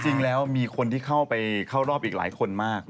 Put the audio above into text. จริงแล้วมีคนที่เข้าไปเข้ารอบอีกหลายคนมาก